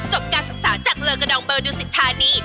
การศึกษาจากเลอกระดองเบอร์ดูสิทธานี